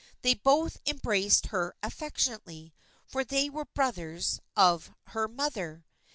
Then both embraced her affectionately, for they were brothers of her mother.